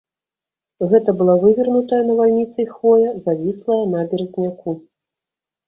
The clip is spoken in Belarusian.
Гэта была вывернутая навальніцай хвоя, завіслая на беразняку.